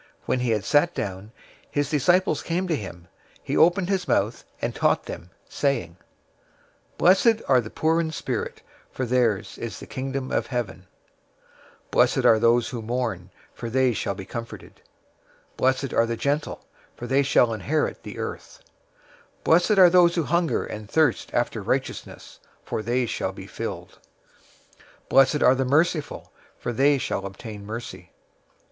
When he had sat down, his disciples came to him. 005:002 He opened his mouth and taught them, saying, 005:003 "Blessed are the poor in spirit, for theirs is the Kingdom of Heaven.{Isaiah 57:15; 66:2} 005:004 Blessed are those who mourn, for they shall be comforted.{Isaiah 61:2; 66:10,13} 005:005 Blessed are the gentle, for they shall inherit the earth.{or, land. Psalm 37:11} 005:006 Blessed are those who hunger and thirst after righteousness, for they shall be filled. 005:007 Blessed are the merciful, for they shall obtain mercy.